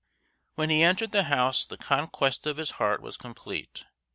When he entered the house the conquest of his heart was complete.